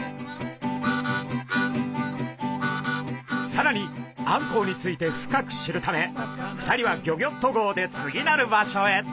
さらにあんこうについて深く知るため２人はギョギョッと号で次なる場所へ。